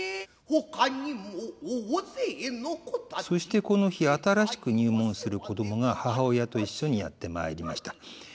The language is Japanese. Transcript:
そしてこの日新しく入門する子供が母親と一緒にやって参りました。